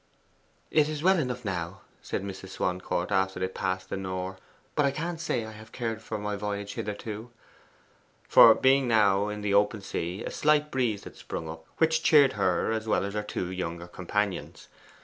'It is well enough now,' said Mrs. Swancourt, after they had passed the Nore, 'but I can't say I have cared for my voyage hitherto.' For being now in the open sea a slight breeze had sprung up, which cheered her as well as her two younger companions.